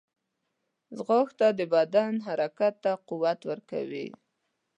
ځغاسته د بدن حرکت ته قوت ورکوي